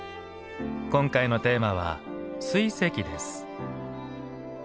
今回のテーマは水石です。